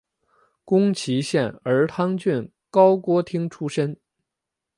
宫崎县儿汤郡高锅町出身。